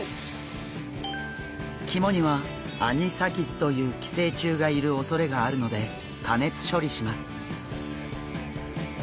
肝にはアニサキスという寄生虫がいるおそれがあるので加熱処理します。